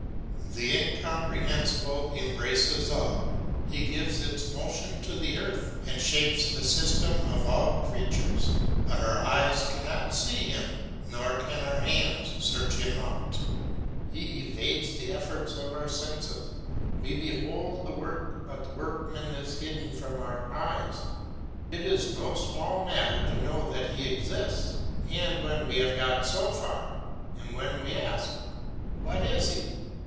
The Incomprehensible embraces all, he gives its motion to the earth, and shapes the system of all creatures, but our eyes cannot see him nor can our hands search him out, he evades the efforts of our senses; we behold the work, but the workman is hidden from our eyes. It is no small matter to know that he exists, and when we have got so far, and when we ask. What is he?